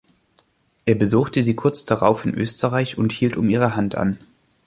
Er besuchte sie kurz darauf in Österreich und hielt um ihre Hand an.